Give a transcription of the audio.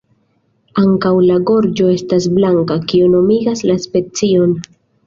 Ankaŭ la gorĝo estas blanka, kio nomigas la specion.